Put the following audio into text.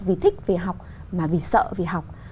vì thích vì học mà vì sợ vì học